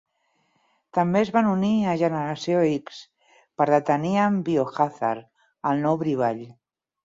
També es van unir a Generation X per detenir en Biohazard, el nou brivall.